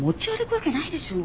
わけないでしょ。